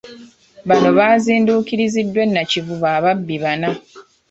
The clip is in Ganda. Bano baazinduukiriziddwa e Nakivubo ababbi bana.